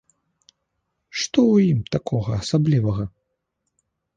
Што ў ім такога асаблівага?